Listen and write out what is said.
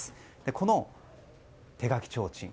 この手描きちょうちん